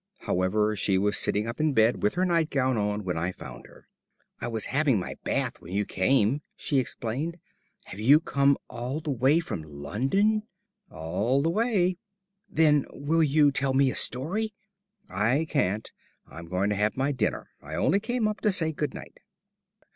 However, she was sitting up in bed with her nightgown on when I found her. "I was having my bath when you came," she explained. "Have you come all the way from London?" "All the way." "Then will you tell me a story?" "I can't; I'm going to have my dinner. I only came up to say good night."